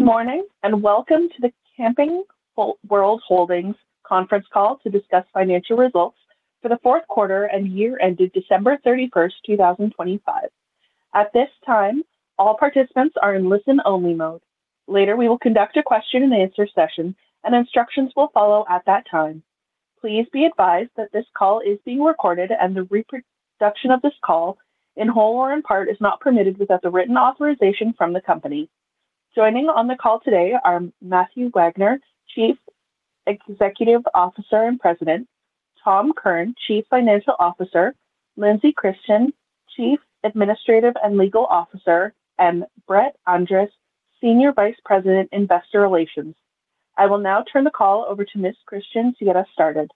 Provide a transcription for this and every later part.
Good morning, and welcome to the Camping World Holdings conference call to discuss financial results for the fourth quarter and year ended December 31, 2025. At this time, all participants are in listen-only mode. Later, we will conduct a question and answer session, and instructions will follow at that time. Please be advised that this call is being recorded, and the reproduction of this call, in whole or in part, is not permitted without the written authorization from the company. Joining on the call today are Matthew Wagner, Chief Executive Officer and President; Tom Kirn, Chief Financial Officer; Lindsey Christen, Chief Administrative and Legal Officer; and Brett Andrus, Senior Vice President, Investor Relations. I will now turn the call over to Ms. Christian to get us started.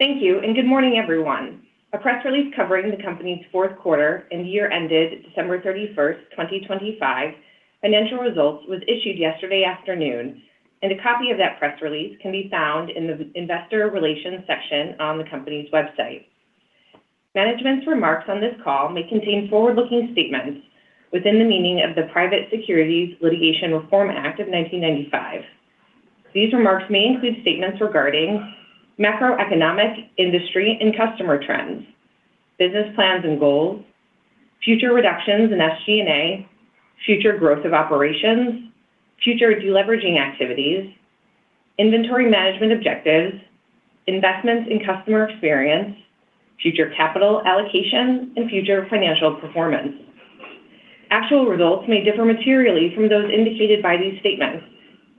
Thank you. Good morning, everyone. A press release covering the company's fourth quarter and year-ended December 31st, 2025 financial results was issued yesterday afternoon. A copy of that press release can be found in the Investor Relations section on the company's website. Management's remarks on this call may contain forward-looking statements within the meaning of the Private Securities Litigation Reform Act of 1995. These remarks may include statements regarding macroeconomic, industry, and customer trends, business plans and goals, future reductions in SG&A, future growth of operations, future deleveraging activities, inventory management objectives, investments in customer experience, future capital allocation, and future financial performance. Actual results may differ materially from those indicated by these statements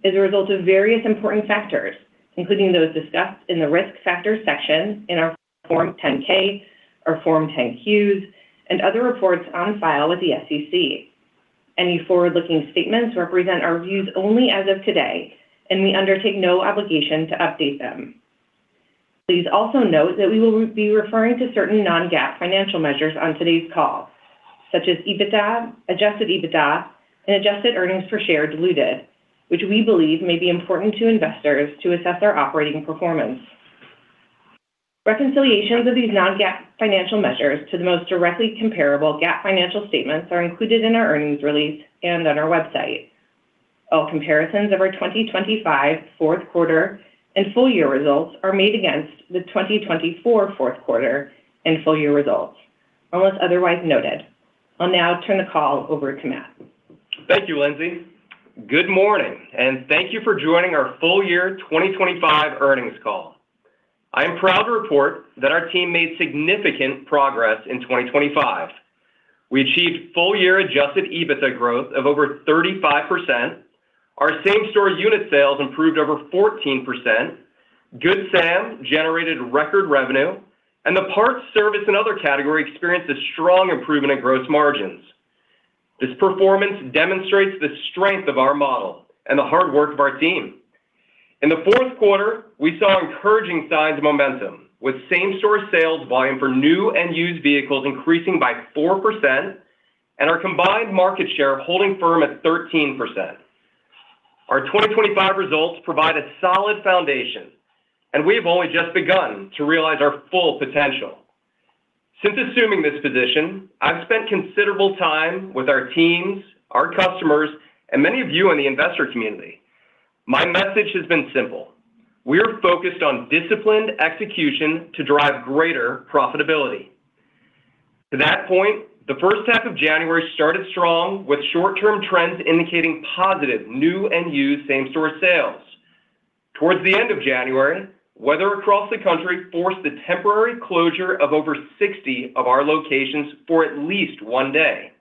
as a result of various important factors, including those discussed in the Risk Factors section in our Form 10-K, our Form 10-Qs, and other reports on file with the SEC. Any forward-looking statements represent our views only as of today, and we undertake no obligation to update them. Please also note that we will be referring to certain non-GAAP financial measures on today's call, such as EBITDA, adjusted EBITDA, and adjusted earnings per share diluted, which we believe may be important to investors to assess our operating performance. Reconciliations of these non-GAAP financial measures to the most directly comparable GAAP financial statements are included in our earnings release and on our website. All comparisons of our 2025 fourth quarter and full-year results are made against the 2024 fourth quarter and full-year results, unless otherwise noted. I'll now turn the call over to Matt. Thank you, Lindsay. Good morning, and thank you for joining our full year 2025 earnings call. I am proud to report that our team made significant progress in 2025. We achieved full-year adjusted EBITDA growth of over 35%. Our same-store unit sales improved over 14%. Good Sam generated record revenue, and the parts, service, and other category experienced a strong improvement in gross margins. This performance demonstrates the strength of our model and the hard work of our team. In the fourth quarter, we saw encouraging signs of momentum, with same-store sales volume for new and used vehicles increasing by 4% and our combined market share holding firm at 13%. Our 2025 results provide a solid foundation, and we've only just begun to realize our full potential. Since assuming this position, I've spent considerable time with our teams, our customers, and many of you in the investor community. My message has been simple: we are focused on disciplined execution to drive greater profitability. To that point, the first half of January started strong, with short-term trends indicating positive, new and used same-store sales. Towards the end of January, weather across the country forced the temporary closure of over 60 of our locations for at least one day.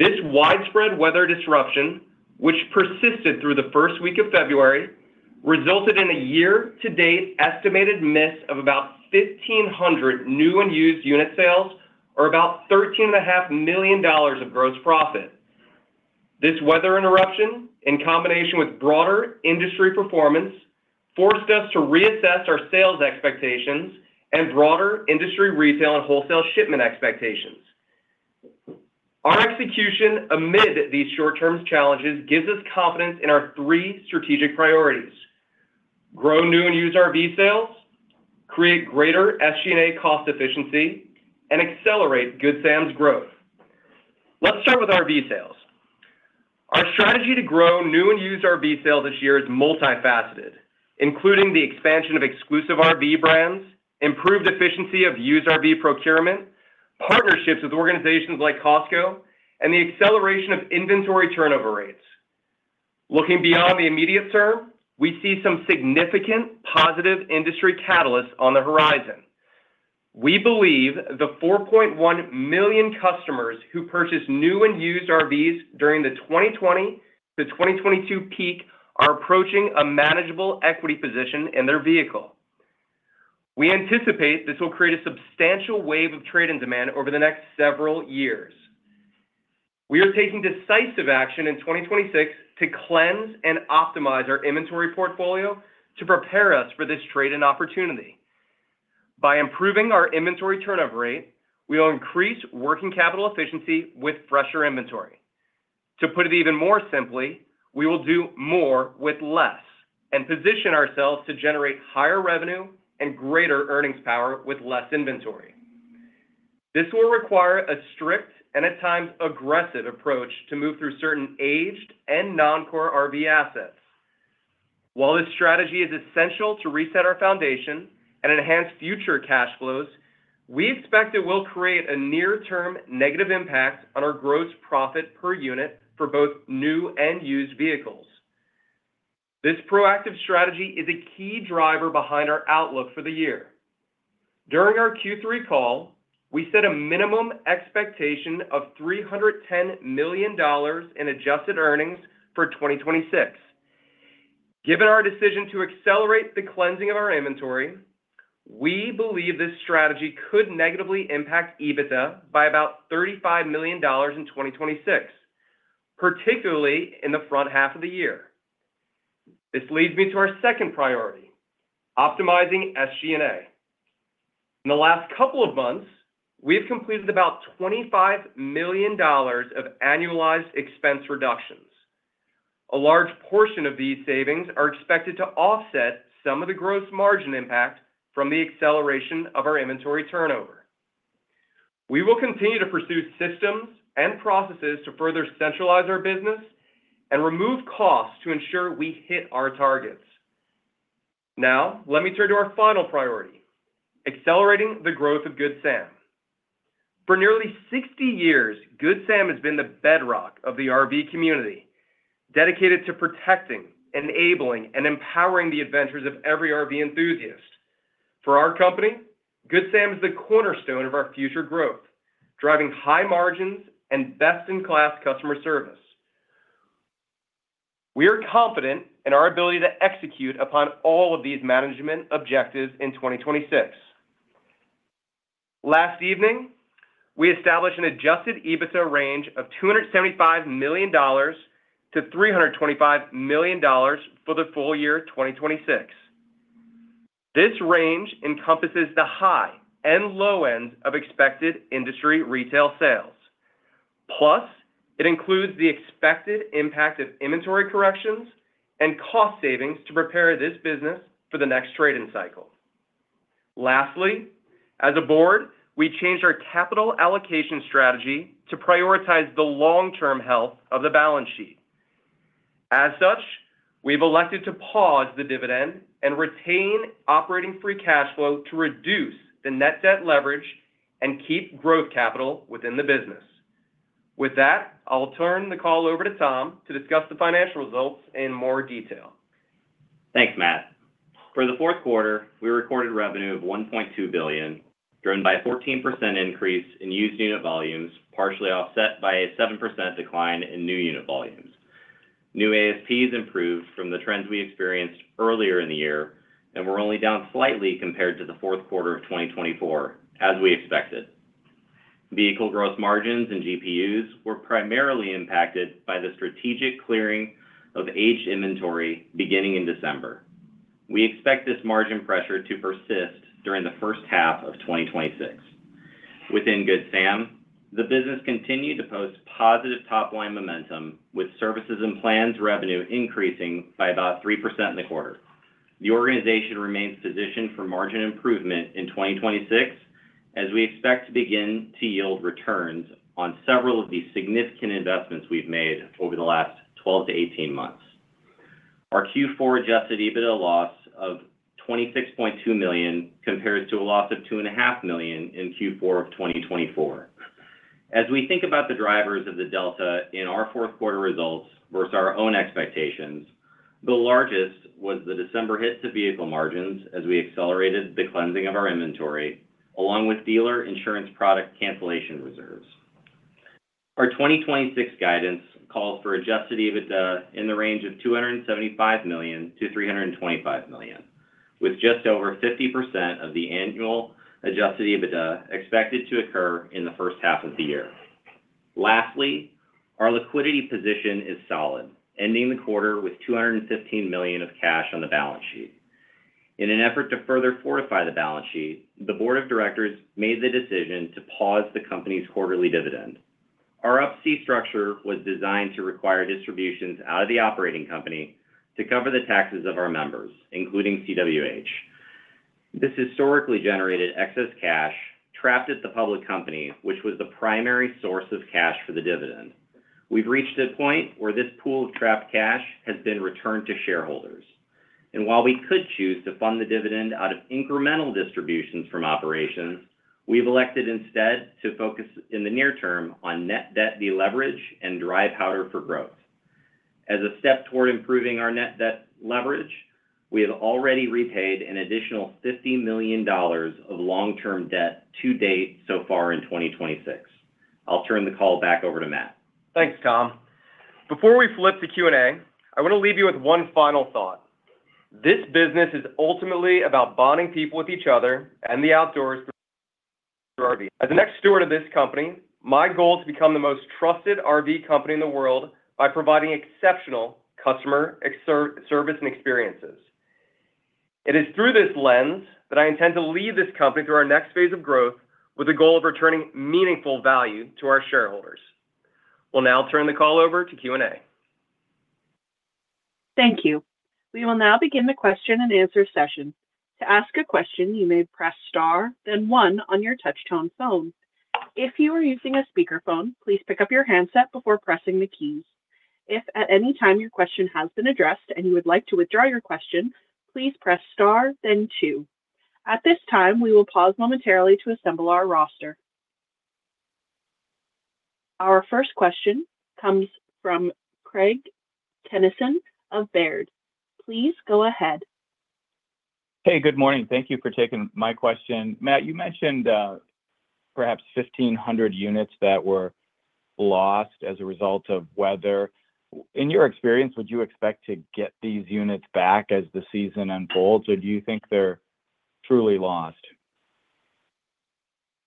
This widespread weather disruption, which persisted through the first week of February, resulted in a year-to-date estimated miss of about 1,500 new and used unit sales, or about thirteen and a half million dollars of gross profit. This weather interruption, in combination with broader industry performance, forced us to reassess our sales expectations and broader industry retail and wholesale shipment expectations. Our execution amid these short-term challenges gives us confidence in our three strategic priorities: grow new and used RV sales, create greater SG&A cost efficiency, and accelerate Good Sam's growth. Let's start with RV sales. Our strategy to grow new and used RV sales this year is multifaceted, including the expansion of exclusive RV brands, improved efficiency of used RV procurement, partnerships with organizations like Costco, and the acceleration of inventory turnover rates. Looking beyond the immediate term, we see some significant positive industry catalysts on the horizon. We believe the 4.1 million customers who purchased new and used RVs during the 2020 to 2022 peak are approaching a manageable equity position in their vehicle. We anticipate this will create a substantial wave of trade and demand over the next several years. We are taking decisive action in 2026 to cleanse and optimize our inventory portfolio to prepare us for this trade and opportunity. By improving our inventory turnover rate, we will increase working capital efficiency with fresher inventory. To put it even more simply, we will do more with less and position ourselves to generate higher revenue and greater earnings power with less inventory. This will require a strict and at times aggressive approach to move through certain aged and non-core RV assets. While this strategy is essential to reset our foundation and enhance future cash flows, we expect it will create a near-term negative impact on our gross profit per unit for both new and used vehicles. This proactive strategy is a key driver behind our outlook for the year. During our Q3 call, we set a minimum expectation of $310 million in adjusted earnings for 2026. Given our decision to accelerate the cleansing of our inventory, we believe this strategy could negatively impact EBITDA by about $35 million in 2026, particularly in the front half of the year. This leads me to our second priority, optimizing SG&A. In the last couple of months, we have completed about $25 million of annualized expense reductions. A large portion of these savings are expected to offset some of the gross margin impact from the acceleration of our inventory turnover. We will continue to pursue systems and processes to further centralize our business and remove costs to ensure we hit our targets. Now, let me turn to our final priority: accelerating the growth of Good Sam. For nearly 60 years, Good Sam has been the bedrock of the RV community, dedicated to protecting, enabling, and empowering the adventures of every RV enthusiast. For our company, Good Sam is the cornerstone of our future growth, driving high margins and best-in-class customer service. We are confident in our ability to execute upon all of these management objectives in 2026. Last evening, we established an adjusted EBITDA range of $275 million-$325 million for the full year 2026. This range encompasses the high and low ends of expected industry retail sales. Plus, it includes the expected impact of inventory corrections and cost savings to prepare this business for the next trading cycle. Lastly, as a board, we changed our capital allocation strategy to prioritize the long-term health of the balance sheet. As such, we've elected to pause the dividend and retain operating free cash flow to reduce the net debt leverage and keep growth capital within the business. With that, I'll turn the call over to Tom to discuss the financial results in more detail. Thanks, Matt. For the fourth quarter, we recorded revenue of $1.2 billion, driven by a 14% increase in used unit volumes, partially offset by a 7% decline in new unit volumes. New ASPs improved from the trends we experienced earlier in the year, and were only down slightly compared to the fourth quarter of 2024, as we expected. Vehicle growth margins and GPUs were primarily impacted by the strategic clearing of aged inventory beginning in December. We expect this margin pressure to persist during the first half of 2026. Within Good Sam, the business continued to post positive top-line momentum, with services and plans revenue increasing by about 3% in the quarter. The organization remains positioned for margin improvement in 2026, as we expect to begin to yield returns on several of these significant investments we've made over the last 12 to 18 months. Our Q4 adjusted EBITDA loss of $26.2 million compares to a loss of $2.5 million in Q4 of 2024. As we think about the drivers of the delta in our fourth quarter results versus our own expectations, the largest was the December hit to vehicle margins as we accelerated the cleansing of our inventory, along with dealer insurance product cancellation reserves. Our 2026 guidance calls for adjusted EBITDA in the range of $275 million-$325 million, with just over 50% of the annual adjusted EBITDA expected to occur in the first half of the year. Lastly, our liquidity position is solid, ending the quarter with $215 million of cash on the balance sheet. In an effort to further fortify the balance sheet, the board of directors made the decision to pause the company's quarterly dividend. Our Up-C structure was designed to require distributions out of the operating company to cover the taxes of our members, including CWH. This historically generated excess cash trapped at the public company, which was the primary source of cash for the dividend. We've reached a point where this pool of trapped cash has been returned to shareholders, and while we could choose to fund the dividend out of incremental distributions from operations, we've elected instead to focus in the near term on net debt deleverage and dry powder for growth. As a step toward improving our net debt leverage, we have already repaid an additional $50 million of long-term debt to date so far in 2026. I'll turn the call back over to Matt. Thanks, Tom. Before we flip to Q&A, I want to leave you with one final thought. This business is ultimately about bonding people with each other and the outdoors through RV. As the next steward of this company, my goal is to become the most trusted RV company in the world by providing exceptional customer service and experiences. It is through this lens that I intend to lead this company through our next phase of growth, with the goal of returning meaningful value to our shareholders. We'll now turn the call over to Q&A. Thank you. We will now begin the question and answer session. To ask a question, you may press star, then one on your touchtone phone. If you are using a speakerphone, please pick up your handset before pressing the keys. If at any time your question has been addressed and you would like to withdraw your question, please press star, then 2. At this time, we will pause momentarily to assemble our roster. Our first question comes from Craig Kennison of Baird. Please go ahead. Hey, good morning. Thank you for taking my question. Matt, you mentioned, perhaps 1,500 units that were lost as a result of weather. In your experience, would you expect to get these units back as the season unfolds, or do you think they're truly lost?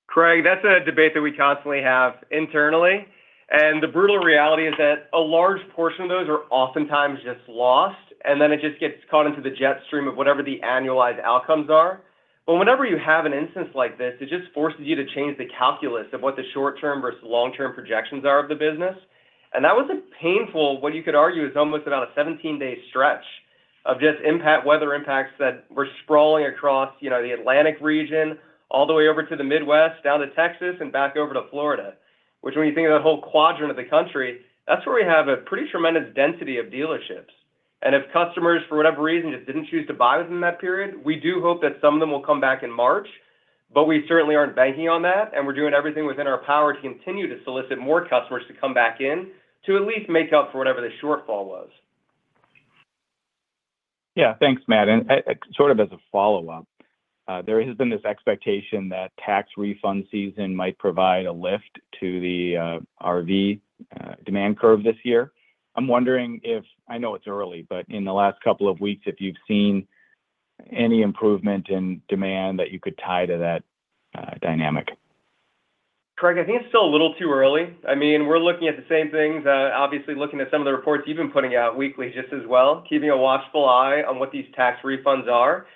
Craig, that's a debate that we constantly have internally, and the brutal reality is that a large portion of those are oftentimes just lost, and then it just gets caught into the jet stream of whatever the annualized outcomes are. Whenever you have an instance like this, it just forces you to change the calculus of what the short-term versus long-term projections are of the business. That was a painful, what you could argue, is almost about a 17-day stretch of just impact, weather impacts that were sprawling across, you know, the Atlantic region all the way over to the Midwest, down to Texas, and back over to Florida, which when you think of the whole quadrant of the country, that's where we have a pretty tremendous density of dealerships. If customers, for whatever reason, just didn't choose to buy within that period, we do hope that some of them will come back in March, but we certainly aren't banking on that, and we're doing everything within our power to continue to solicit more customers to come back in to at least make up for whatever the shortfall was. Yeah, thanks, Matt. Sort of as a follow-up, there has been this expectation that tax refund season might provide a lift to the RV demand curve this year. I'm wondering if, I know it's early, but in the last couple of weeks, if you've seen any improvement in demand that you could tie to that dynamic? I think it's still a little too early. I mean, we're looking at the same things, obviously looking at some of the reports you've been putting out weekly just as well, keeping a watchful eye on what these tax refunds are.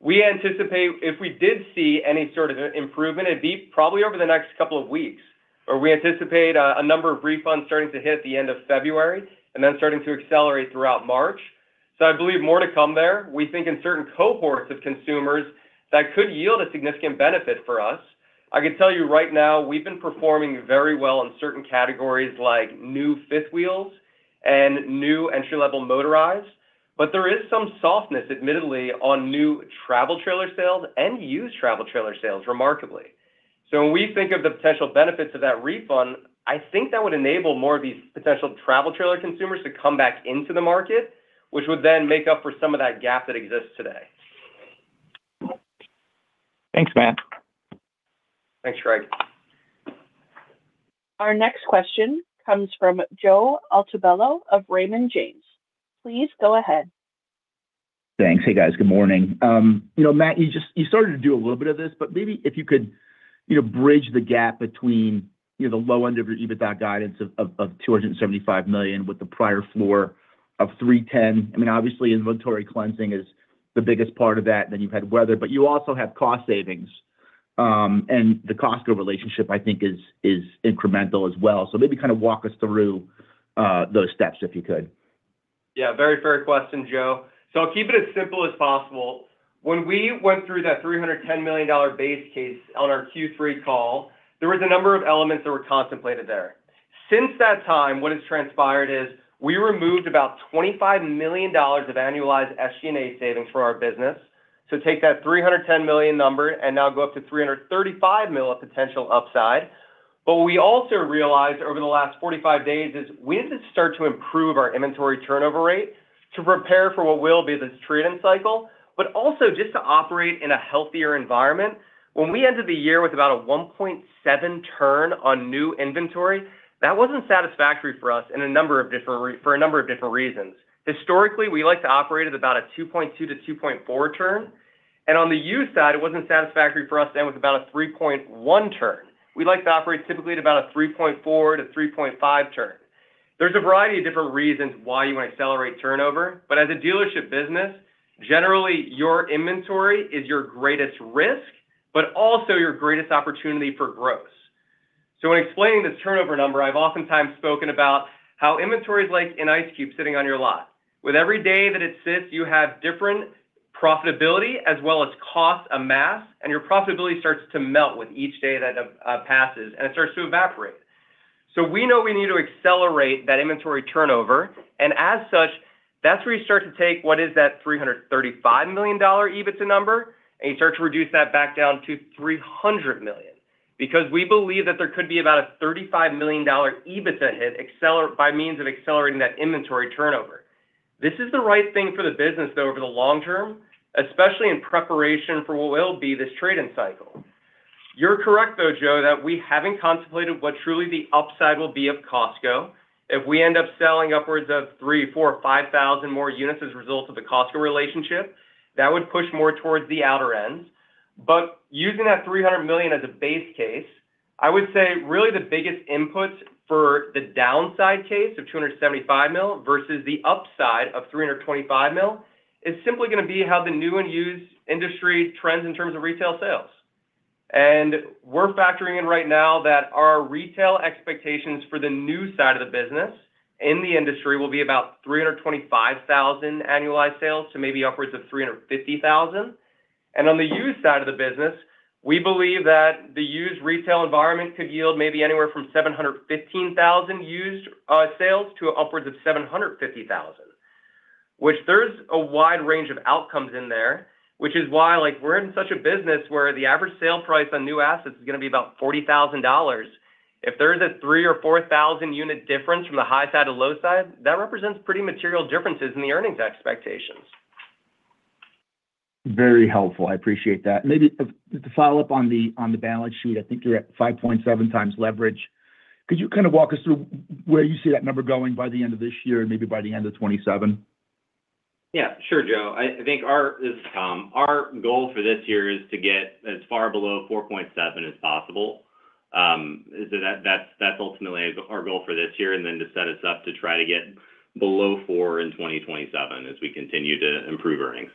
We anticipate if we did see any sort of improvement, it'd be probably over the next two weeks, where we anticipate a number of refunds starting to hit at the end of February and then starting to accelerate throughout March. I believe more to come there. We think in certain cohorts of consumers, that could yield a significant benefit for us. I can tell you right now, we've been performing very well in certain categories like new fifth wheels and new entry-level motorized, but there is some softness, admittedly, on new travel trailer sales and used travel trailer sales, remarkably. When we think of the potential benefits of that refund, I think that would enable more of these potential travel trailer consumers to come back into the market, which would then make up for some of that gap that exists today. Thanks, Matt. Thanks, Craig. Our next question comes from Joseph Altobello of Raymond James. Please go ahead. Thanks. Hey, guys. Good morning. you know, Matt, you started to do a little bit of this, but maybe if you could, you know, bridge the gap between, you know, the low end of your EBITDA guidance of $275 million, with the prior floor of $310 million. I mean, obviously, inventory cleansing is the biggest part of that, then you had weather, but you also have cost savings, and the Costco relationship, I think, is incremental as well. Maybe kind of walk us through those steps, if you could. Very fair question, Joe. I'll keep it as simple as possible. When we went through that $310 million base case on our Q3 call, there was a number of elements that were contemplated there. Since that time, what has transpired is we removed about $25 million of annualized SG&A savings for our business. Take that $310 million number and now go up to $335 million of potential upside. What we also realized over the last 45 days is we need to start to improve our inventory turnover rate to prepare for what will be this trade-in cycle, but also just to operate in a healthier environment. When we ended the year with about a 1.7 turn on new inventory, that wasn't satisfactory for us in a number of different for a number of different reasons. Historically, we like to operate at about a 2.2-2.4 turn, and on the used side, it wasn't satisfactory for us to end with about a 3.1 turn. We like to operate typically at about a 3.4-3.5 turn. There's a variety of different reasons why you might accelerate turnover, but as a dealership business, generally, your inventory is your greatest risk, but also your greatest opportunity for growth. In explaining this turnover number, I've oftentimes spoken about how inventory is like an ice cube sitting on your lot. With every day that it sits, you have different profitability as well as cost amassed, and your profitability starts to melt with each day that passes, and it starts to evaporate. We know we need to accelerate that inventory turnover, and as such, that's where you start to take what is that $335 million EBITDA number, and you start to reduce that back down to $300 million. We believe that there could be about a $35 million EBITDA hit by means of accelerating that inventory turnover. This is the right thing for the business, though, over the long term, especially in preparation for what will be this trade-in cycle. You're correct, though, Joe, that we haven't contemplated what truly the upside will be of Costco. If we end up selling upwards of 3,000, 4,000, 5,000 more units as a result of the Costco relationship, that would push more towards the outer ends. Using that $300 million as a base case, I would say really the biggest inputs for the downside case of $275 mil versus the upside of $325 mil, is simply gonna be how the new and used industry trends in terms of retail sales. We're factoring in right now that our retail expectations for the new side of the business in the industry will be about 325,000 annualized sales, so maybe upwards of 350,000. On the used side of the business, we believe that the used retail environment could yield maybe anywhere from 715,000 used sales to upwards of 750,000. Which there's a wide range of outcomes in there, which is why, like, we're in such a business where the average sale price on new assets is gonna be about $40,000. If there is a 3,000 or 4,000 unit difference from the high side to the low side, that represents pretty material differences in the earnings expectations. Very helpful. I appreciate that. Maybe just to follow up on the, on the balance sheet, I think you're at 5.7 times leverage. Could you kind of walk us through where you see that number going by the end of this year and maybe by the end of 2027? Yeah, sure, Joe. I think our goal for this year is to get as far below 4.7 as possible. That's ultimately our goal for this year, and then to set us up to try to get below four in 2027 as we continue to improve earnings.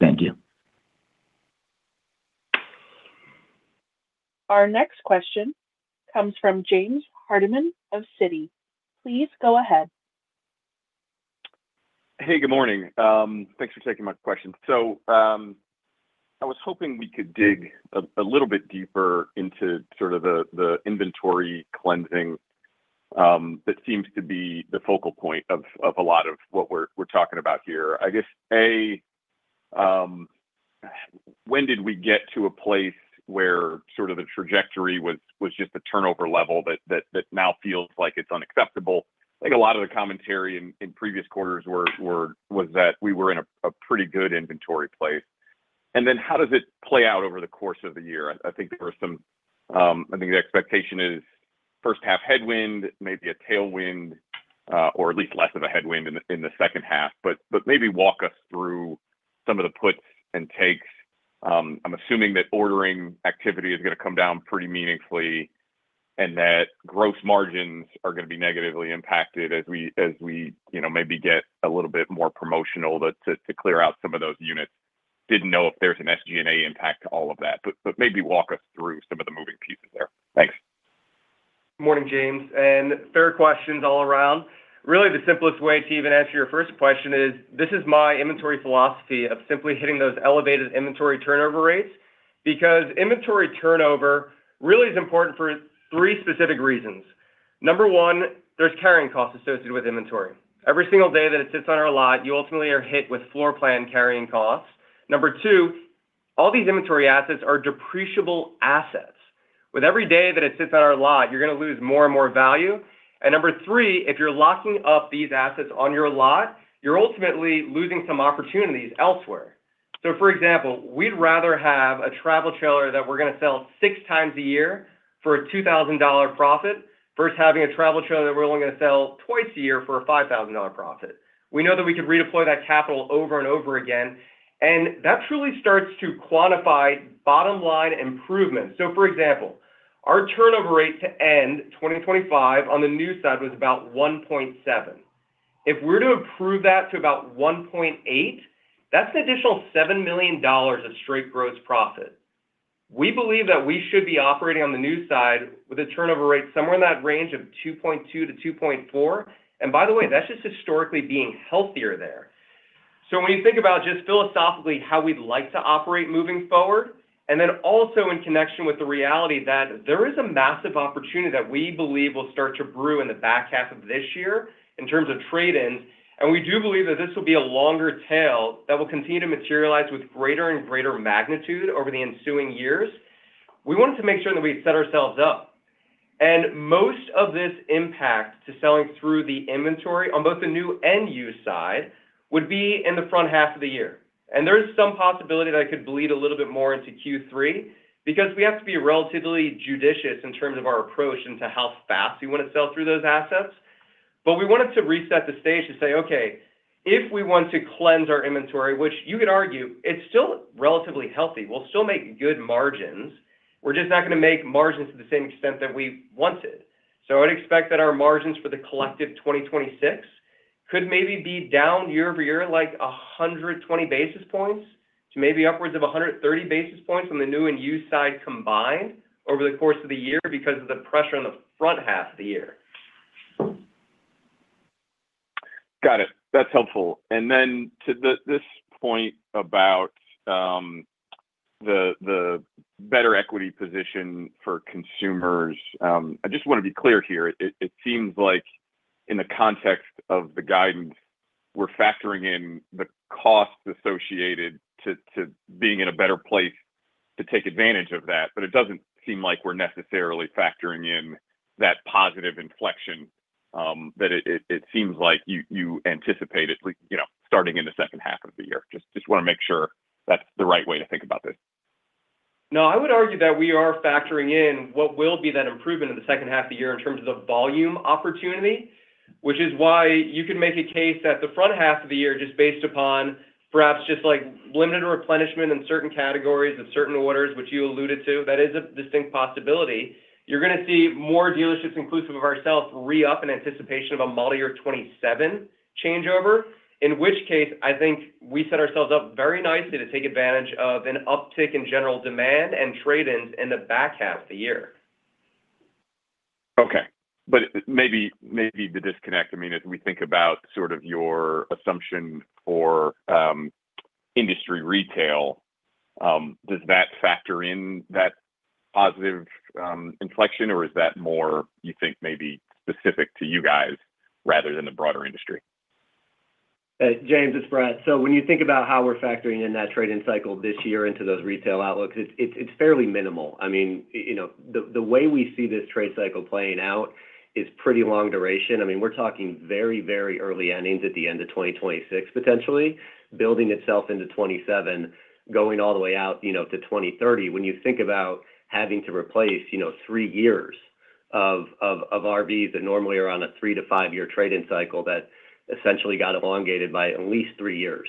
Thank you. Our next question comes from James Hardiman of Citi. Please go ahead. Hey, good morning. Thanks for taking my question. I was hoping we could dig a little bit deeper into sort of the inventory cleansing that seems to be the focal point of a lot of what we're talking about here. I guess, A, when did we get to a place where sort of the trajectory was just a turnover level that now feels like it's unacceptable? I think a lot of the commentary in previous quarters was that we were in a pretty good inventory place. How does it play out over the course of the year? I think there are some. I think the expectation is first half headwind, maybe a tailwind, or at least less of a headwind in the second half. Maybe walk us through some of the puts and takes. I'm assuming that ordering activity is gonna come down pretty meaningfully, and that gross margins are gonna be negatively impacted as we, you know, maybe get a little bit more promotional to clear out some of those units. Didn't know if there's an SG&A impact to all of that, but maybe walk us through some of the moving pieces there. Thanks. Morning, James, and fair questions all around. Really, the simplest way to even answer your first question is, this is my inventory philosophy of simply hitting those elevated inventory turnover rates, because inventory turnover really is important for three specific reasons. Number one, there's carrying costs associated with inventory. Every single day that it sits on our lot, you ultimately are hit with floor plan carrying costs. Number two, all these inventory assets are depreciable assets. With every day that it sits on our lot, you're gonna lose more and more value. Number three, if you're locking up these assets on your lot, you're ultimately losing some opportunities elsewhere. For example, we'd rather have a travel trailer that we're gonna sell six times a year for a $2,000 profit, versus having a travel trailer that we're only gonna sell twice a year for a $5,000 profit. We know that we could redeploy that capital over and over again, and that truly starts to quantify bottom-line improvements. For example, our turnover rate to end 2025 on the new side was about 1.7. If we're to improve that to about 1.8, that's an additional $7 million of straight gross profit. We believe that we should be operating on the new side with a turnover rate somewhere in that range of 2.2-2.4. By the way, that's just historically being healthier there. When you think about just philosophically how we'd like to operate moving forward, and then also in connection with the reality that there is a massive opportunity that we believe will start to brew in the back half of this year in terms of trade-ins, and we do believe that this will be a longer tail that will continue to materialize with greater and greater magnitude over the ensuing years. We wanted to make sure that we set ourselves up. Most of this impact to selling through the inventory on both the new and used side would be in the front half of the year. There is some possibility that it could bleed a little bit more into Q3, because we have to be relatively judicious in terms of our approach into how fast we want to sell through those assets. We wanted to reset the stage to say, "Okay, if we want to cleanse our inventory," which you could argue, it's still relatively healthy. We'll still make good margins. We're just not gonna make margins to the same extent that we wanted. I'd expect that our margins for the collective 2026 could maybe be down year-over-year, like 120 basis points to maybe upwards of 130 basis points on the new and used side combined over the course of the year because of the pressure on the front half of the year. Got it. That's helpful. To this point about the better equity position for consumers, I just wanna be clear here. It seems like in the context of the guidance, we're factoring in the costs associated to being in a better place to take advantage of that. It doesn't seem like we're necessarily factoring in that positive inflection, that it seems like you anticipated, like, you know, starting in the second half of the year. Just wanna make sure that's the right way to think about this. No, I would argue that we are factoring in what will be that improvement in the second half of the year in terms of the volume opportunity, which is why you can make a case that the front half of the year, just based upon perhaps just, like, limited replenishment in certain categories of certain orders, which you alluded to, that is a distinct possibility. You're gonna see more dealerships, inclusive of ourselves, re-up in anticipation of a model year '27 changeover, in which case, I think we set ourselves up very nicely to take advantage of an uptick in general demand and trade-ins in the back half of the year. Maybe the disconnect, I mean, as we think about sort of your assumption for industry retail, does that factor in that positive inflection, or is that more, you think, maybe specific to you guys rather than the broader industry? James, it's Brett. When you think about how we're factoring in that trade-in cycle this year into those retail outlooks, it's fairly minimal. I mean, you know, the way we see this trade cycle playing out is pretty long duration. I mean, we're talking very, very early innings at the end of 2026, potentially, building itself into 2027, going all the way out, you know, to 2030. When you think about having to replace, you know, three years of RVs that normally are on a 3-5-year trade-in cycle that essentially got elongated by at least three years,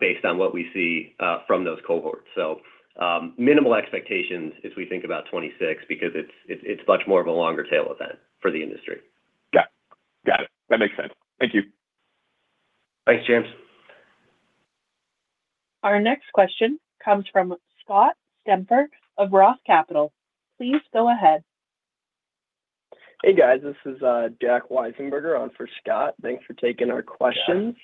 based on what we see from those cohorts. Minimal expectations as we think about 2026, because it's much more of a longer tail event for the industry. Got it. Got it. That makes sense. Thank you. Thanks, James. Our next question comes from Scott Stember of ROTH Capital. Please go ahead. Hey, guys, this is Jack Weisenberger on for Scott. Thanks for taking our questions.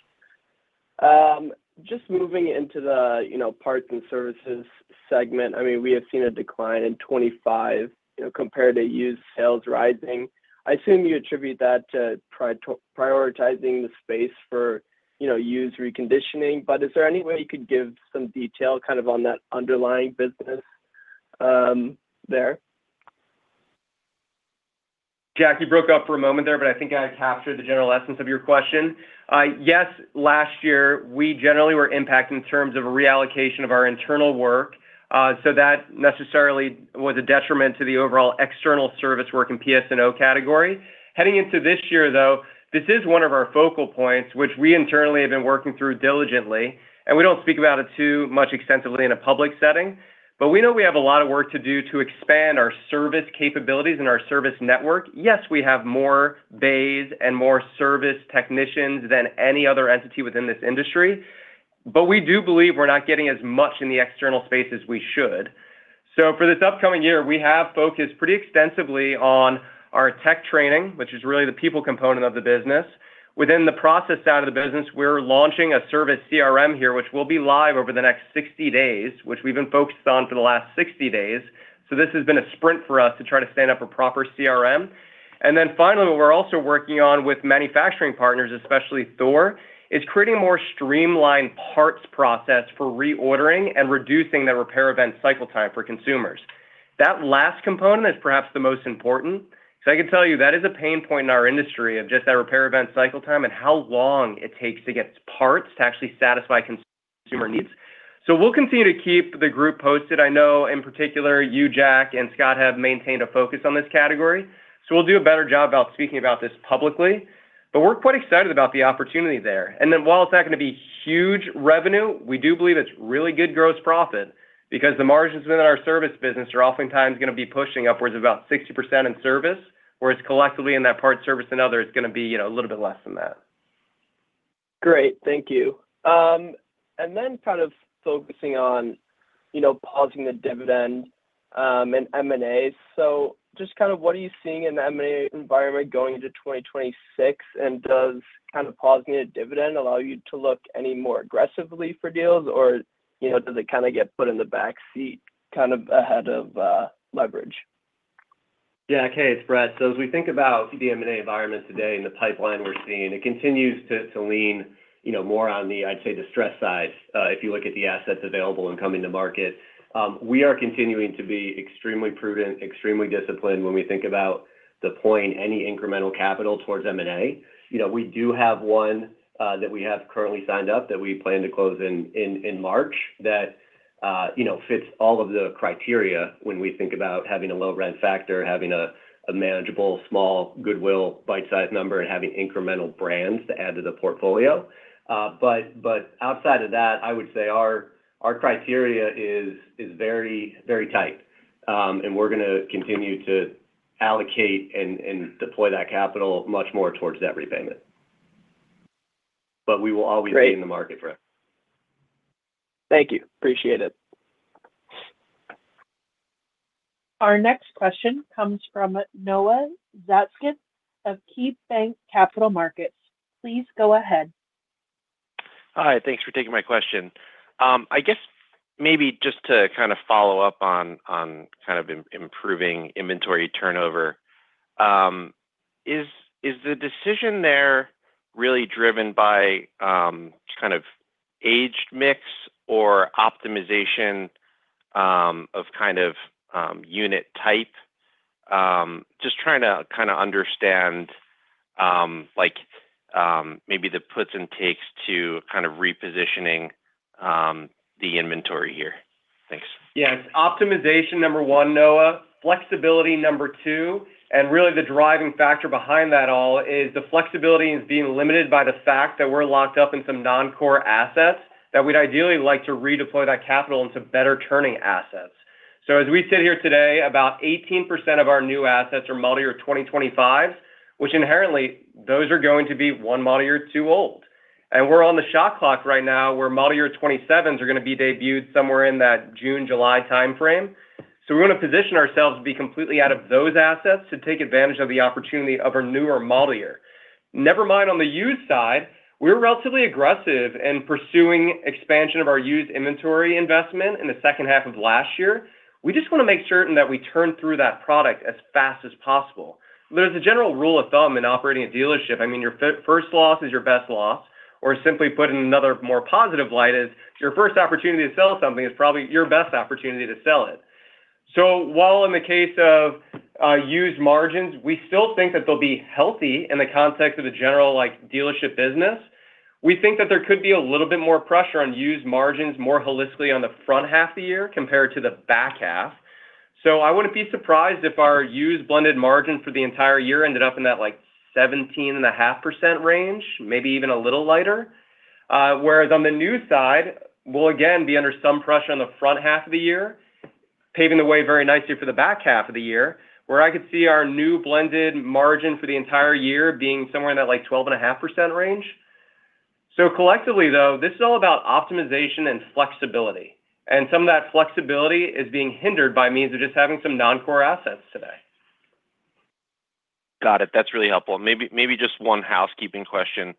Yeah. Just moving into the parts and services segment, we have seen a decline in 25 compared to used sales rising. I assume you attribute that to prioritizing the space for used reconditioning, but is there any way you could give some detail kind of on that underlying business there? Jack, you broke up for a moment there, but I think I captured the general essence of your question. Yes, last year, we generally were impacted in terms of a reallocation of our internal work, so that necessarily was a detriment to the overall external service work in PS and O category. Heading into this year, though, this is one of our focal points, which we internally have been working through diligently, and we don't speak about it too much extensively in a public setting, but we know we have a lot of work to do to expand our service capabilities and our service network. Yes, we have more bays and more service technicians than any other entity within this industry, but we do believe we're not getting as much in the external space as we should. For this upcoming year, we have focused pretty extensively on our tech training, which is really the people component of the business. Within the process side of the business, we're launching a service CRM here, which will be live over the next 60 days, which we've been focused on for the last 60 days. This has been a sprint for us to try to stand up a proper CRM. Finally, what we're also working on with manufacturing partners, especially Thor, is creating a more streamlined parts process for reordering and reducing the repair event cycle time for consumers. That last component is perhaps the most important. I can tell you that is a pain point in our industry of just that repair event cycle time and how long it takes to get parts to actually satisfy consumer needs. We'll continue to keep the group posted. I know in particular, you, Jack, and Scott have maintained a focus on this category, so we'll do a better job about speaking about this publicly. We're quite excited about the opportunity there. While it's not going to be huge revenue, we do believe it's really good gross profit because the margins within our service business are oftentimes going to be pushing upwards of about 60% in service, whereas collectively in that part, service and other is going to be, you know, a little bit less than that. Great, thank you. kind of focusing on, you know, pausing the dividend, and M&A. just kind of what are you seeing in the M&A environment going into 2026, and does kind of pausing a dividend allow you to look any more aggressively for deals, or, you know, does it kind of get put in the back seat, kind of ahead of leverage? Yeah, Kay, it's Brett. As we think about the M&A environment today and the pipeline we're seeing, it continues to lean, you know, more on the, I'd say, the stress side, if you look at the assets available and coming to market. We are continuing to be extremely prudent, extremely disciplined when we think about deploying any incremental capital towards M&A. You know, we do have one that we have currently signed up that we plan to close in March that, you know, fits all of the criteria when we think about having a low rent factor, having a manageable, small, goodwill, bite-size number, and having incremental brands to add to the portfolio. Outside of that, I would say our criteria is very tight, and we're gonna continue to allocate and deploy that capital much more towards debt repayment. We will always- Great. Be in the market for it. Thank you. Appreciate it. Our next question comes from Noah Zatzkin of KeyBanc Capital Markets. Please go ahead. Hi, thanks for taking my question. I guess maybe just to kind of follow up on kind of improving inventory turnover, is the decision there really driven by kind of aged mix or optimization of kind of unit type? Just trying to kind of understand like maybe the puts and takes to kind of repositioning the inventory here. Thanks. It's optimization, number 1, Noah, flexibility, number 2, and really the driving factor behind that all is the flexibility is being limited by the fact that we're locked up in some non-core assets that we'd ideally like to redeploy that capital into better-turning assets. As we sit here today, about 18% of our new assets are model year 2025s, which inherently, those are going to be one model year or two old. We're on the shot clock right now, where model year 2027s are going to be debuted somewhere in that June, July time frame. We want to position ourselves to be completely out of those assets to take advantage of the opportunity of our newer model year. Never mind on the used side, we're relatively aggressive in pursuing expansion of our used inventory investment in the second half of last year. We just want to make certain that we turn through that product as fast as possible. There's a general rule of thumb in operating a dealership. I mean, your first loss is your best loss, or simply put in another, more positive light, is your first opportunity to sell something is probably your best opportunity to sell it. While in the case of used margins, we still think that they'll be healthy in the context of the general, like, dealership business. We think that there could be a little bit more pressure on used margins more holistically on the front half of the year compared to the back half. I wouldn't be surprised if our used blended margin for the entire year ended up in that, like, 17.5% range, maybe even a little lighter. Whereas on the new side, we'll again be under some pressure on the front half of the year, paving the way very nicely for the back half of the year, where I could see our new blended margin for the entire year being somewhere in that, like, 12.5% range. Collectively, though, this is all about optimization and flexibility, and some of that flexibility is being hindered by means of just having some non-core assets today. Got it. That's really helpful. Maybe just one housekeeping question.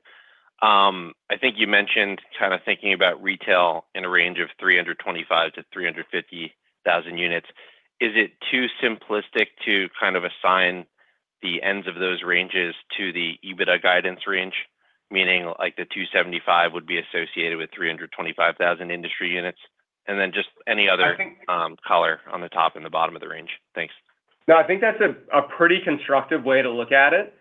I think you mentioned kind of thinking about retail in a range of 325,000-350,000 units. Is it too simplistic to kind of assign the ends of those ranges to the EBITDA guidance range? Meaning, like, the $275 would be associated with 325,000 industry units, and then just any other- I think- Color on the top and the bottom of the range. Thanks. No, I think that's a pretty constructive way to look at it.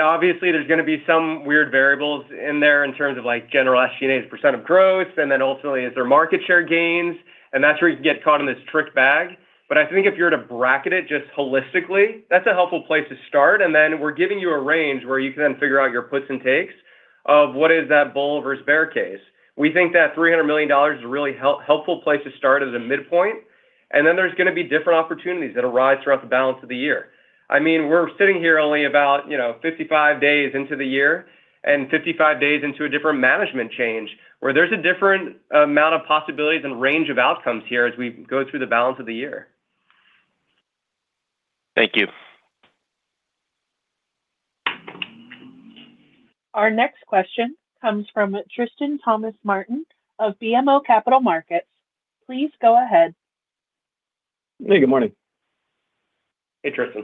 Obviously, there's going to be some weird variables in there in terms of, like, general SG&A's % of growth, and then ultimately, is there market share gains? That's where you can get caught in this trick bag. I think if you were to bracket it just holistically, that's a helpful place to start. Then we're giving you a range where you can then figure out your puts and takes of what is that bull versus bear case. We think that $300 million is a really helpful place to start as a midpoint. Then there's going to be different opportunities that arise throughout the balance of the year. I mean, we're sitting here only about, you know, 55 days into the year and 55 days into a different management change, where there's a different amount of possibilities and range of outcomes here as we go through the balance of the year. Thank you. Our next question comes from Tristan Thomas-Martin of BMO Capital Markets. Please go ahead. Hey, good morning. Hey, Tristan.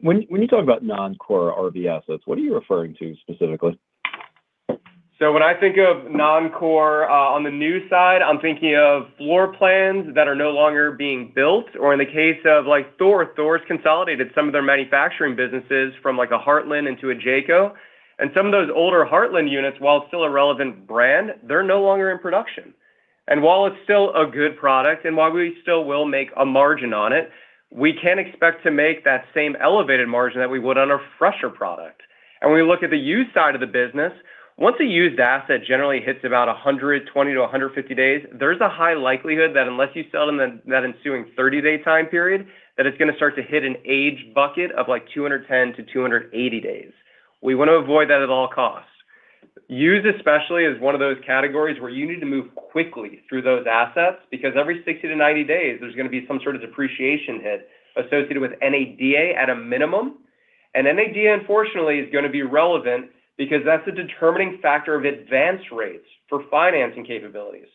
When you talk about non-core RV assets, what are you referring to specifically? When I think of non-core, on the new side, I'm thinking of floor plans that are no longer being built, or in the case of, like, Thor. Thor's consolidated some of their manufacturing businesses from, like, a Heartland into a Jayco. Some of those older Heartland units, while still a relevant brand, they're no longer in production. While it's still a good product, and while we still will make a margin on it, we can't expect to make that same elevated margin that we would on a fresher product. When we look at the used side of the business, once a used asset generally hits about 120 to 150 days, there's a high likelihood that unless you sell them in that ensuing 30-day time period, that it's going to start to hit an age bucket of, like, 210 to 280 days. We want to avoid that at all costs. Used, especially, is one of those categories where you need to move quickly through those assets, because every 60 to 90 days, there's going to be some sort of depreciation hit associated with NADA at a minimum. NADA, unfortunately, is going to be relevant because that's a determining factor of advanced rates for financing capabilities.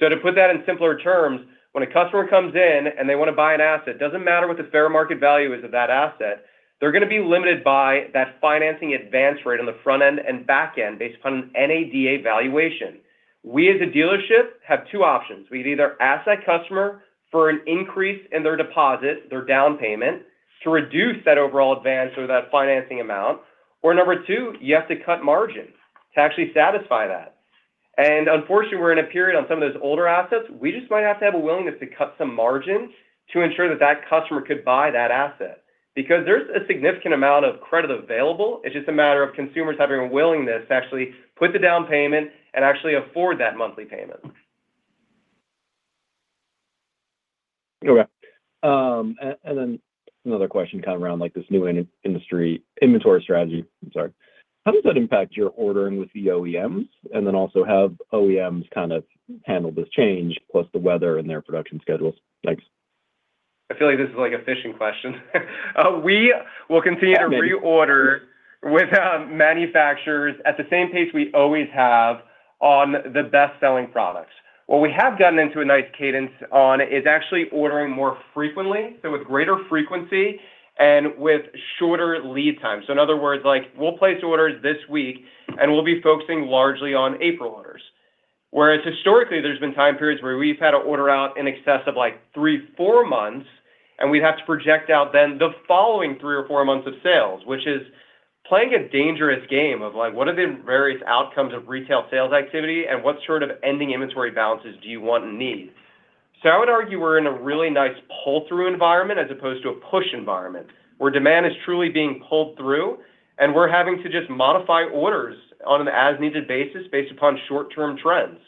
To put that in simpler terms, when a customer comes in and they want to buy an asset, doesn't matter what the fair market value is of that asset, they're going to be limited by that financing advance rate on the front end and back end based upon an NADA valuation. We, as a dealership, have two options. We either ask that customer for an increase in their deposit, their down payment, to reduce that overall advance or that financing amount, or number two, you have to cut margins to actually satisfy that. Unfortunately, we're in a period on some of those older assets. We just might have to have a willingness to cut some margins to ensure that that customer could buy that asset. There's a significant amount of credit available, it's just a matter of consumers having a willingness to actually put the down payment and actually afford that monthly payment. Okay. Another question around, like, this new inventory strategy, I'm sorry. How does that impact your ordering with the OEMs? Also, have OEMs kind of handled this change, plus the weather and their production schedules? Thanks. I feel like this is, like, a fishing question. Maybe To reorder with manufacturers at the same pace we always have on the best-selling products. What we have gotten into a nice cadence on is actually ordering more frequently, with greater frequency and with shorter lead time. In other words, like, we'll place orders this week, and we'll be focusing largely on April orders. Whereas historically, there's been time periods where we've had to order out in excess of, like, three, four months, and we'd have to project out then the following three or four months of sales, which is playing a dangerous game of, like, what are the various outcomes of retail sales activity and what sort of ending inventory balances do you want and need? I would argue we're in a really nice pull-through environment as opposed to a push environment, where demand is truly being pulled through and we're having to just modify orders on an as-needed basis based upon short-term trends.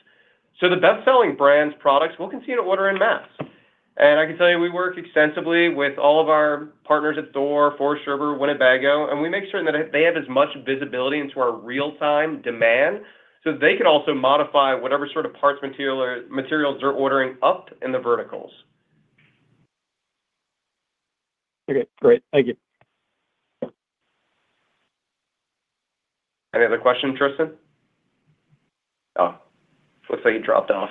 The best-selling brands products, we'll continue to order in mass. I can tell you, we work extensively with all of our partners at Thor, Forest River, Winnebago, and we make sure that they have as much visibility into our real-time demand, so they can also modify whatever sort of parts, material, or materials they're ordering up in the verticals. Okay, great. Thank you. Any other question, Tristan? Looks like he dropped off.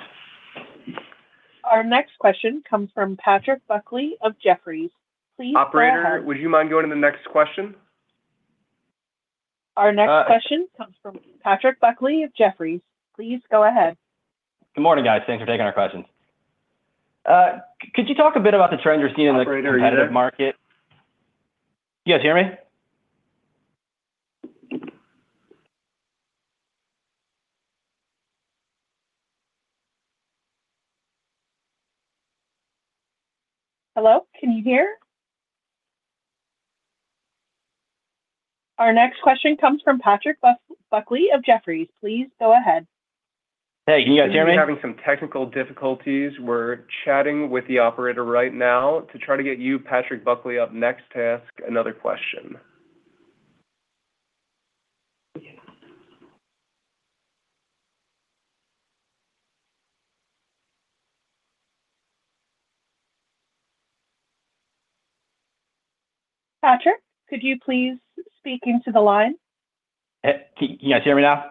Our next question comes from Patrick Buckley of Jefferies. Please go ahead. Operator, would you mind going to the next question? Our next question. Uh- comes from Patrick Buckley of Jefferies. Please go ahead. Good morning, guys. Thanks for taking our questions. Could you talk a bit about the trends you're seeing in the competitive market? Operator, are you there? You guys hear me? Hello, can you hear? Our next question comes from Patrick Buckley of Jefferies. Please go ahead. Hey, can you guys hear me? We're having some technical difficulties. We're chatting with the operator right now to try to get you, Patrick Buckley, up next to ask another question. Patrick, could you please speak into the line? Can you guys hear me now?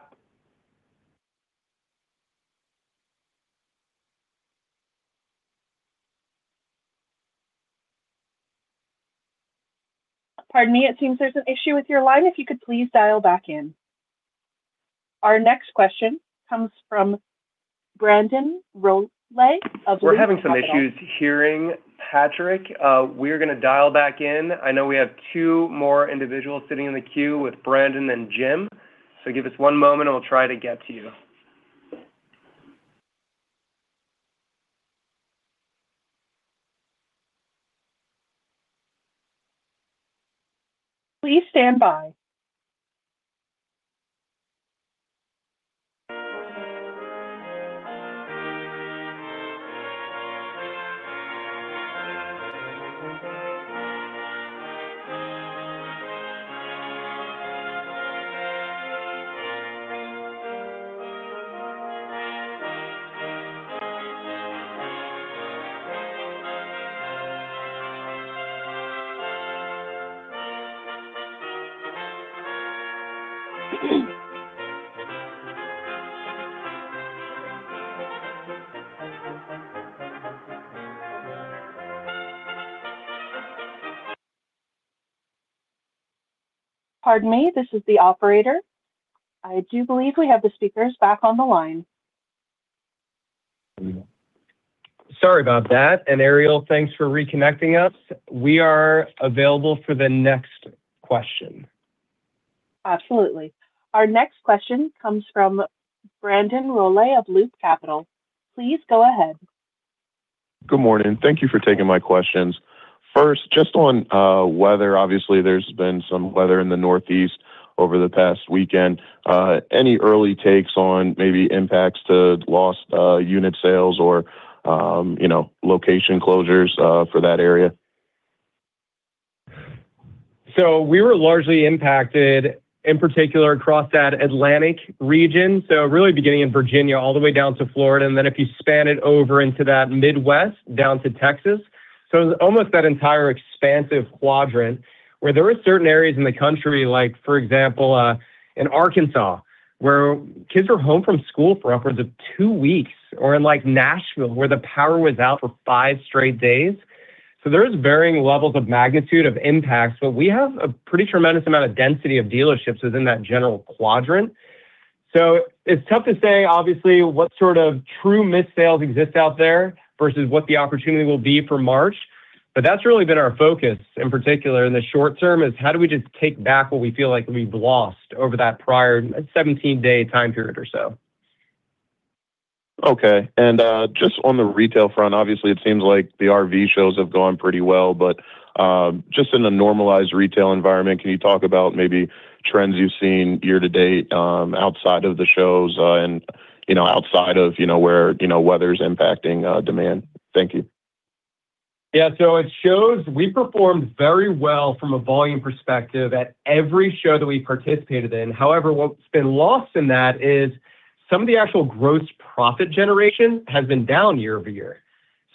Pardon me, it seems there's an issue with your line. If you could please dial back in. Our next question comes from Brandon Rolle of Loop Capital. We're having some issues hearing Patrick. We're gonna dial back in. I know we have two more individuals sitting in the queue with Brandon and Jim, so give us one moment, and we'll try to get to you. Please stand by. Pardon me, this is the Operator. I do believe we have the speakers back on the line. Sorry about that. Ariel, thanks for reconnecting us. We are available for the next question. Absolutely. Our next question comes from Brandon Rolle of Loop Capital. Please go ahead. Good morning. Thank you for taking my questions. First, just on, weather, obviously, there's been some weather in the northeast over the past weekend. Any early takes on maybe impacts to lost, unit sales or, you know, location closures, for that area? We were largely impacted, in particular, across that Atlantic region, really beginning in Virginia all the way down to Florida, and then if you span it over into that Midwest, down to Texas. Almost that entire expansive quadrant where there is certain areas in the country, like, for example, in Arkansas, where kids were home from school for upwards of two weeks, or in, like, Nashville, where the power was out for five straight days. There is varying levels of magnitude of impacts, but we have a pretty tremendous amount of density of dealerships within that general quadrant. It's tough to say, obviously, what sort of true missed sales exists out there versus what the opportunity will be for March, but that's really been our focus, in particular in the short term, is how do we just take back what we feel like we've lost over that prior 17-day time period or so. Okay. Just on the retail front, obviously, it seems like the RV shows have gone pretty well, but, just in a normalized retail environment, can you talk about maybe trends you've seen year to date, outside of the shows, and, you know, outside of, you know, where, you know, weather's impacting, demand? Thank you. At shows, we performed very well from a volume perspective at every show that we participated in. However, what's been lost in that is some of the actual gross profit generation has been down year-over-year.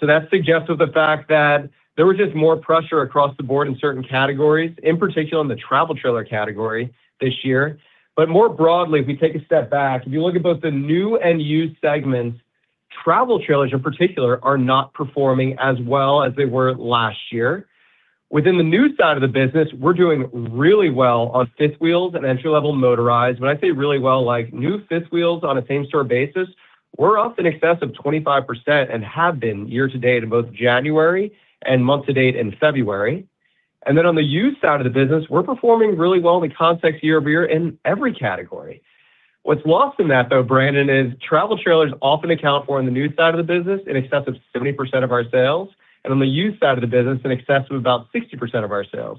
That suggests with the fact that there was just more pressure across the board in certain categories, in particular in the travel trailer category this year. More broadly, if we take a step back, if you look at both the new and used segments, travel trailers, in particular, are not performing as well as they were last year. Within the new side of the business, we're doing really well on fifth wheels and entry-level motorized. When I say really well, like, new fifth wheels on a same-store basis, we're up in excess of 25% and have been year-to-date in both January and month-to-date in February. On the used side of the business, we're performing really well in the context year-over-year in every category. What's lost in that, though, Brandon, is travel trailers often account for, on the new side of the business, in excess of 70% of our sales, and on the used side of the business, in excess of about 60% of our sales.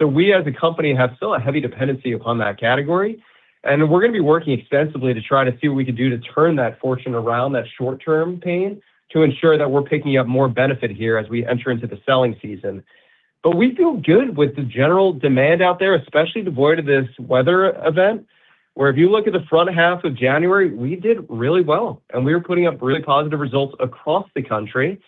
We, as a company, have still a heavy dependency upon that category. We're gonna be working extensively to try to see what we can do to turn that fortune around, that short-term pain, to ensure that we're picking up more benefit here as we enter into the selling season. We feel good with the general demand out there, especially devoid of this weather event, where if you look at the front half of January, we did really well, and we were putting up really positive results across the country.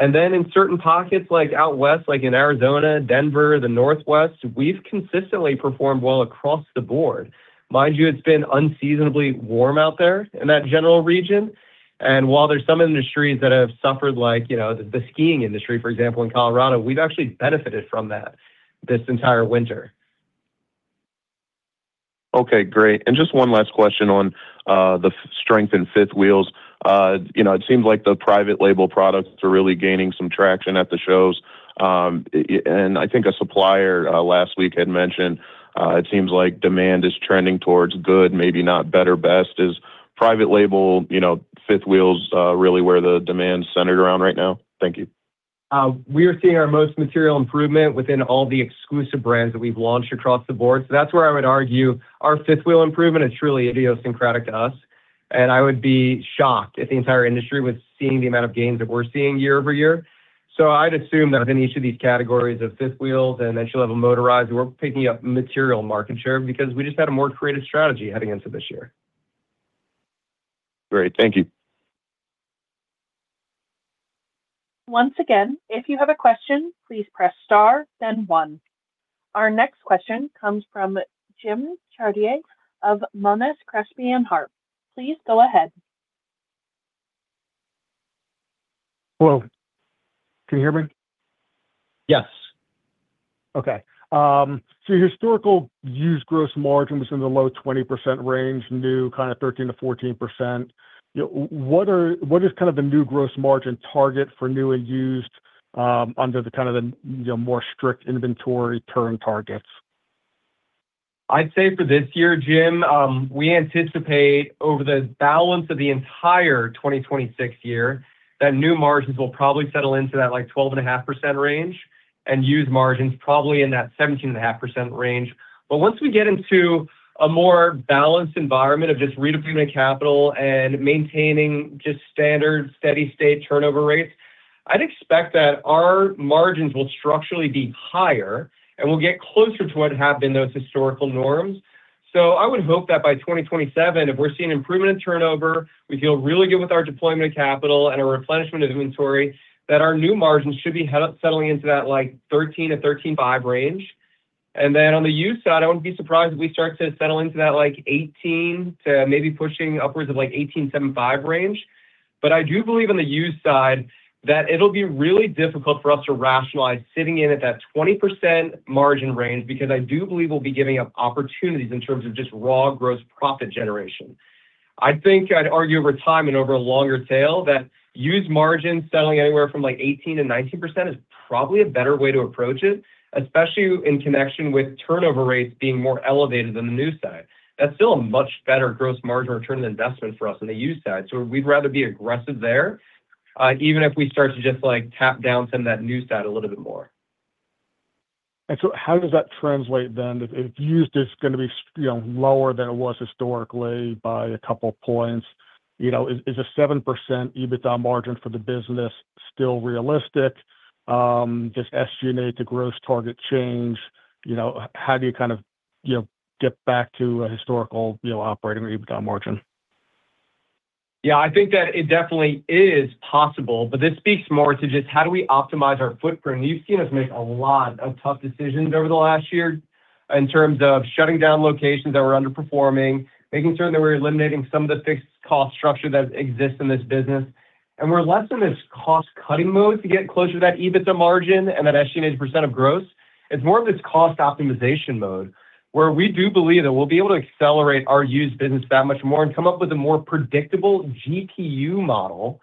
In certain pockets, like out west, like in Arizona, Denver, the Northwest, we've consistently performed well across the board. Mind you, it's been unseasonably warm out there in that general region, and while there's some industries that have suffered, like, you know, the skiing industry, for example, in Colorado, we've actually benefited from that this entire winter. Okay, great. Just one last question on the strength in fifth wheels. You know, it seems like the private label products are really gaining some traction at the shows. I think a supplier last week had mentioned it seems like demand is trending towards good, maybe not better. Best is private label, you know, fifth wheels, really where the demand is centered around right now? Thank you. We are seeing our most material improvement within all the exclusive brands that we've launched across the board. That's where I would argue our fifth wheel improvement is truly idiosyncratic to us, and I would be shocked if the entire industry was seeing the amount of gains that we're seeing year-over-year. I'd assume that within each of these categories of fifth wheels and then she'll have a motorized, we're picking up material market share because we just had a more creative strategy heading into this year. Great. Thank you. Once again, if you have a question, please press Star, then One. Our next question comes from Jim Chartier of Monness, Crespi, and Hardt. Please go ahead. Hello, can you hear me? Yes. Historical used gross margin was in the low 20% range, new, kind of 13%-14%. What is kind of the new gross margin target for new and used, under the kind of the more strict inventory turn targets? I'd say for this year, Jim, we anticipate over the balance of the entire 2026 year, that new margins will probably settle into that, like, 12.5% range, and used margins probably in that 17.5% range. Once we get into a more balanced environment of just redeploying capital and maintaining just standard steady-state turnover rates, I'd expect that our margins will structurally be higher, and we'll get closer to what had been those historical norms. I would hope that by 2027, if we're seeing improvement in turnover, we feel really good with our deployment of capital and a replenishment of inventory, that our new margins should be settling into that, like, 13%-13.5% range. On the used side, I wouldn't be surprised if we start to settle into that, like, 18 to maybe pushing upwards of, like, 18.75 range. I do believe on the used side, that it'll be really difficult for us to rationalize sitting in at that 20% margin range because I do believe we'll be giving up opportunities in terms of just raw gross profit generation. I think I'd argue over time and over a longer tail, that used margins settling anywhere from, like, 18%-19% is probably a better way to approach it, especially in connection with turnover rates being more elevated than the new side. That's still a much better gross margin return on investment for us on the used side, so we'd rather be aggressive there, even if we start to just, like, tap down some of that new side a little bit more. How does that translate? If used is gonna be, you know, lower than it was historically by a couple of points, you know, is a 7% EBITDA margin for the business still realistic? Does SG&A to gross target change? You know, how do you kind of, you know, get back to a historical, you know, operating or EBITDA margin? I think that it definitely is possible, but this speaks more to just how do we optimize our footprint. You've seen us make a lot of tough decisions over the last year in terms of shutting down locations that were underperforming, making sure that we're eliminating some of the fixed cost structure that exists in this business. We're less in this cost-cutting mode to get closer to that EBITDA margin and that SG&A % of gross. It's more of this cost optimization mode, where we do believe that we'll be able to accelerate our used business that much more and come up with a more predictable GTU model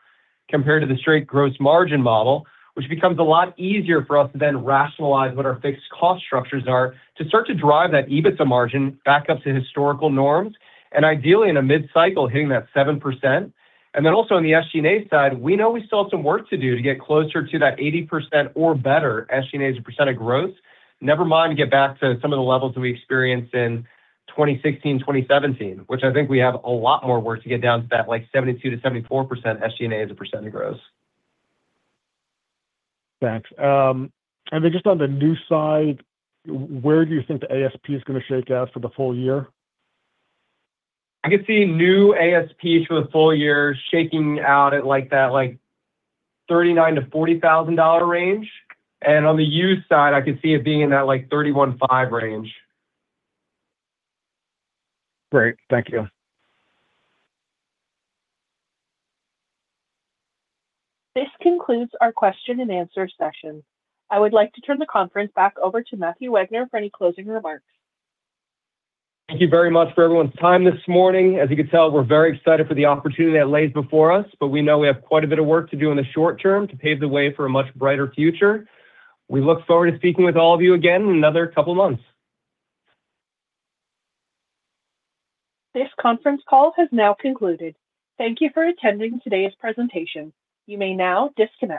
compared to the straight gross margin model, which becomes a lot easier for us to then rationalize what our fixed cost structures are to start to drive that EBITDA margin back up to historical norms, and ideally, in a mid-cycle, hitting that 7%. Also on the SG&A side, we know we still have some work to do to get closer to that 80% or better SG&A as a percent of growth. Never mind to get back to some of the levels that we experienced in 2016, 2017, which I think we have a lot more work to get down to that, like, 72%-74% SG&A as a percent of gross. Thanks. Just on the new side, where do you think the ASP is going to shake out for the full year? I could see new ASP for the full year shaking out at, like, that, like, $39,000-$40,000 range, and on the used side, I could see it being in that, like, $31,500 range. Great. Thank you. This concludes our question-and-answer session. I would like to turn the conference back over to Matthew Wagner for any closing remarks. Thank you very much for everyone's time this morning. As you can tell, we're very excited for the opportunity that lays before us, we know we have quite a bit of work to do in the short term to pave the way for a much brighter future. We look forward to speaking with all of you again in another couple of months. This conference call has now concluded. Thank you for attending today's presentation. You may now disconnect.